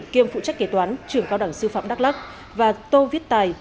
kiêm phụ trách kế toán trường cao đẳng sư phạm đắk lắc và tô viết tài